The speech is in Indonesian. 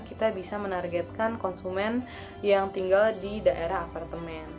kita bisa menargetkan konsumen yang tinggal di daerah apartemen